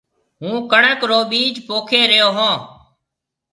هُون ڪڻڪ رو بِيج پوکي ريو هون۔